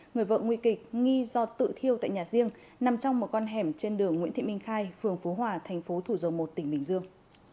người vợ nguy kịch nghi do tự thiêu tại nhà riêng nằm trong một con hẻm trên đường nguyễn thị minh khai phường phú hòa thành phố thủ dầu một tỉnh bình dương